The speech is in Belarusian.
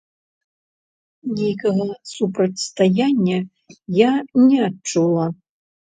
Нейкага супрацьстаяння я не адчула.